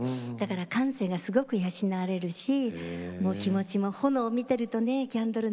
感性がすごく養われるし気持ちも炎を見ているとキャンドルの。